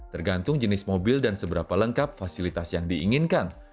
tergantung jenis mobil dan seberapa lengkap fasilitas yang diinginkan